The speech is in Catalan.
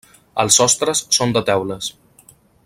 Els sostres són de teules.